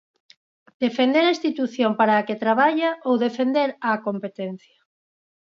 Defender á institución para a que traballa, ou defender á competencia?